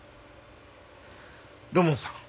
土門さん